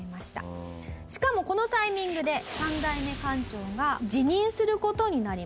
しかもこのタイミングで３代目館長が辞任する事になります。